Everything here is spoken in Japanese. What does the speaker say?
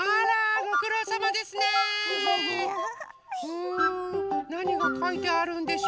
うんなにがかいてあるんでしょ？